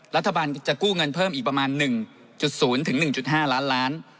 รัฐบาลจะกู้เงินเพิ่มอีกประมาณ๑๐๑๕ล้านล้าน